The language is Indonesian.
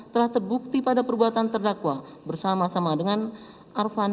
telah terbukti pada perbuatan terdakwa bersama sama dengan arvan